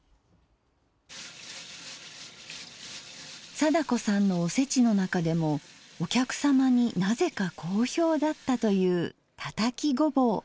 貞子さんのおせちの中でもお客様になぜか好評だったというたたきごぼう。